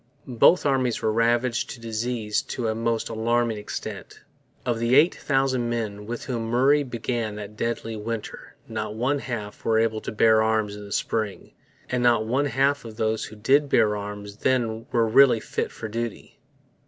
Both armies were ravaged by disease to a most alarming extent. Of the eight thousand men with whom Murray began that deadly winter not one half were able to bear arms in the spring; and not one half of those who did bear arms then were really fit for duty.